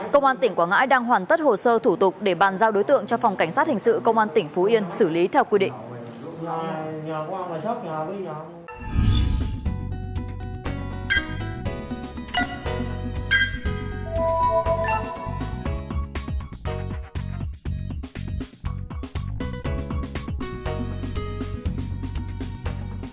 công an tỉnh quảng ngãi đang hoàn tất hồ sơ thủ tục để bàn giao đối tượng cho phòng cảnh sát hình sự công an tỉnh phú yên xử lý theo quy định